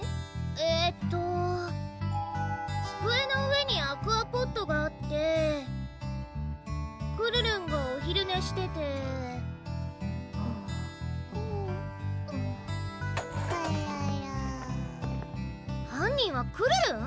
えーっと机の上にアクアポットがあってくるるんがお昼寝しててくるるん犯人はくるるん？